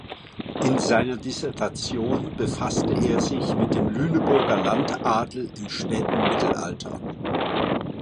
In seiner Dissertation befasste er sich mit dem Lüneburger Landadel im späten Mittelalter.